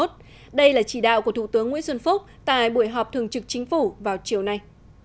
đây là chỉ đạo của thủ tướng nguyễn xuân phúc tại buổi họp thường trực chính phủ vào chiều nay